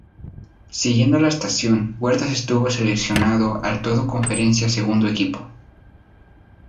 Siguiendo la estación, Huertas estuvo seleccionado al Todo-Conferencia Segundo Equipo.